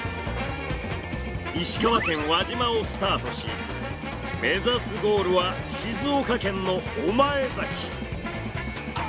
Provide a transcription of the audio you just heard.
石川県輪島をスタートし目指すゴールは静岡県の御前崎。